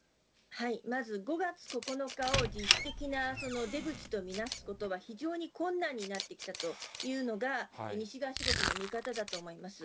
まず５月９日を実質的な出口と見なすことは非常に困難になってきたというのが、西側諸国の見方だと思います。